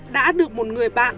đã được một người bạn